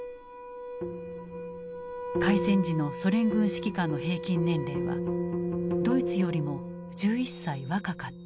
開戦時のソ連軍指揮官の平均年齢はドイツよりも１１歳若かった。